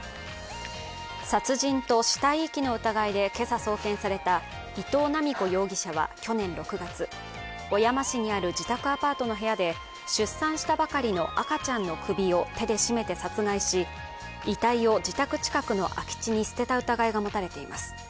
殺人と死体遺棄の疑いで今朝送検された伊藤七美子容疑者は去年６月小山市にある自宅アパートの部屋で出産したばかりの赤ちゃんの首を手で締めて殺害し、遺体を自宅近くの空き地に捨てた疑いが持たれています。